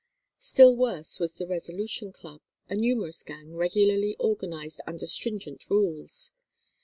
Still worse was the "Resolution Club," a numerous gang, regularly organized under stringent rules.